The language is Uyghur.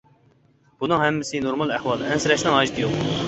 بۇنىڭ ھەممىسى نورمال ئەھۋال، ئەنسىرەشنىڭ ھاجىتى يوق.